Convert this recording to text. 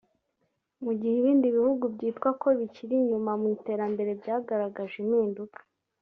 mu gihe ibindi bihugu byitwa ko bikiri inyuma mu iterambere byagaragaje impinduka